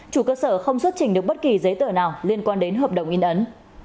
chủ cơ sở không xuất trình được bất kỳ giấy tờ nào liên quan đến hợp đồng in ấn